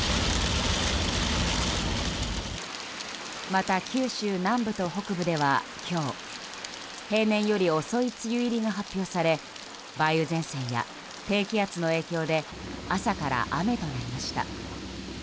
また、九州南部と北部では今日平年より遅い梅雨入りが発表され梅雨前線や低気圧の影響で朝から雨となりました。